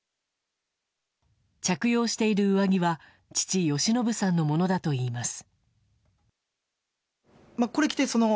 着用している上着は父・好信さんのものだといいます。